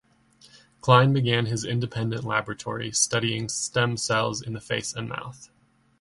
Klein began his independent laboratory studying stem cells in the face and mouth.